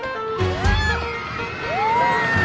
うわ！